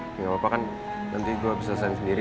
enggak apa apa kan nanti gue bisa selesain sendiri